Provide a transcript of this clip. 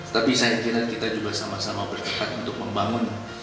tapi saya kira kita juga sama sama berkepat untuk membangun